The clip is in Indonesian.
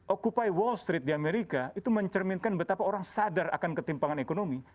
okupay wall street di amerika itu mencerminkan betapa orang sadar akan ketimpangan ekonomi